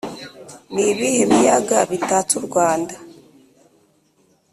Ni ibihe biyaga bitatse u Rwanda?